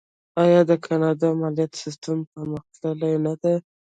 آیا د کاناډا مالیاتي سیستم پرمختللی نه دی؟